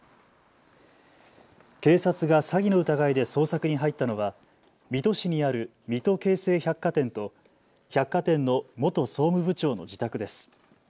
警察が詐欺の疑いで捜索に入ったのは水戸市にある水戸京成百貨店と百貨店の元総務部長の自宅です。